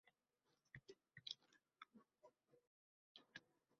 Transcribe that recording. Bolam qaytar choging manzil tobutimdan